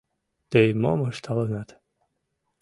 Тый мом ыштылынат?..